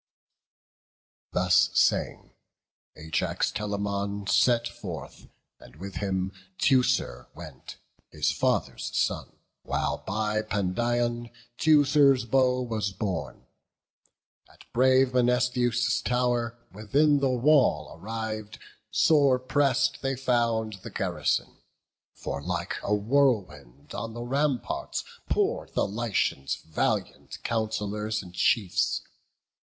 Thus saying, Ajax Telamon set forth, And with him Teucer went, his father's son, While by Pandion Teucer's bow was borne. At brave Menestheus' tow'r, within the wall, Arriv'd, sore press'd they found the garrison; For like a whirlwind on the ramparts pour'd The Lycians' valiant councillors and chiefs.